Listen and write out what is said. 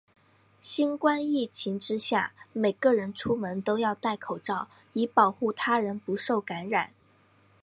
新冠疫情之下，每个人出门都要带口罩，以保护他人不受感染。